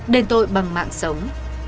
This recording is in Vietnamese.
đền tội bằng mạng sống